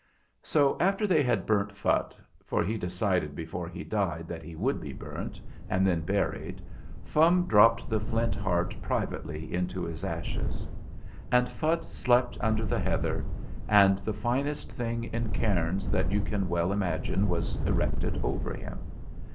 So after they had burnt Phutt for he de cided before he died that he would be burnt and then buried Fum dropped the Flint Heart privately into his ashes. And Phutt slept under the heather, and the finest thing in cairns that you can well imagine was erected over him.